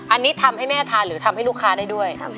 อันนี้ทำให้แม่ทานหรือทำให้ลูกค้าได้ด้วย